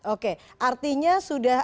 oke artinya sudah ada